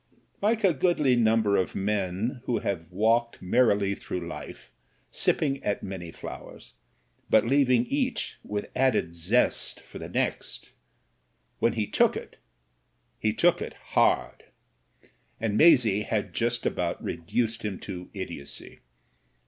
Like a goodly number of men who have walked merrily through life, sipping at many flowers, but leaving each with added zest for the next, when he took it he took* it hard. And Maisie had just about reduced him to idiocy.